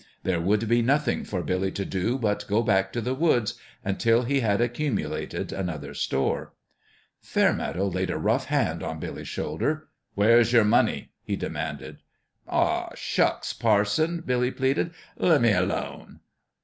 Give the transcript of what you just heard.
There would be nothing for Billy to do but go back to the woods until he had accumu lated another store. Fairmeadow laid a rough hand on Billy's shoulder. "Where's your money?" he de manded. "Ah, shucks, parson!" Billy pleaded, "lea' me alone."